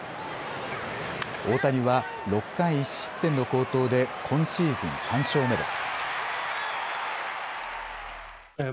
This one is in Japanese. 大谷は６回１失点の好投で今シーズン３勝目です。